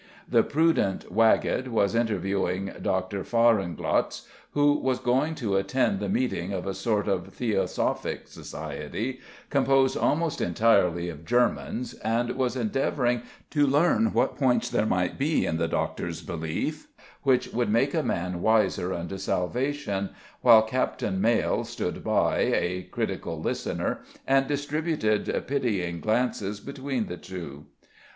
The prudent Wagget was interviewing Dr. Fahrenglotz, who was going to attend the meeting of a sort of Theosophic Society, composed almost entirely of Germans, and was endeavoring to learn what points there might be in the Doctor's belief which would make a man wiser unto salvation, while Captain Maile stood by, a critical listener, and distributed pitying glances between the two.